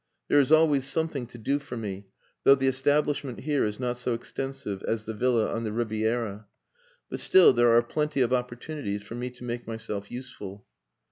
There is always something to do for me, though the establishment here is not so extensive as the villa on the Riviera. But still there are plenty of opportunities for me to make myself useful."